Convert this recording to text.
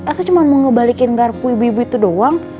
aku cuma mau ngebalikin garpu ibu ibu itu doang